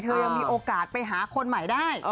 ยังมีโอกาสไปหาคนใหม่ได้